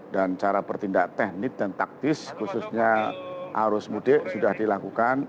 dan cara pertindak teknik dan taktis khususnya arus mudik sudah dilakukan